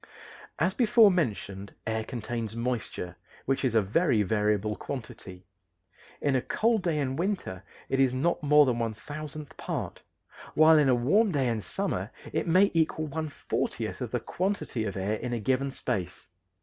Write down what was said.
As before mentioned, air contains moisture, which is a very variable quantity. In a cold day in winter it is not more than one thousandth part, while in a warm day in summer it may equal one fortieth of the quantity of air in a given space.